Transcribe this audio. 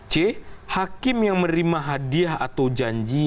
c hakim yang menerima hadiah atau janji